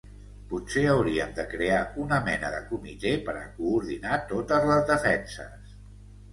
Potser hauríem de crear una mena de comitè per a coordinar totes les defenses.